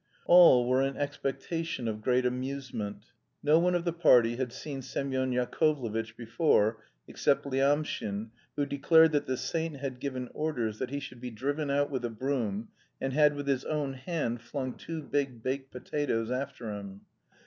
All were in expectation of great amusement. No one of the party had seen Semyon Yakovlevitch before, except Lyamshin, who declared that the saint had given orders that he should be driven out with a broom, and had with his own hand flung two big baked potatoes after him.